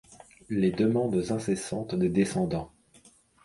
Les demandes incessantes des Descendants.